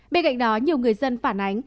bên cạnh đó nhiều người dân phản ánh